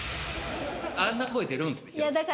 あんな声、出るんですか。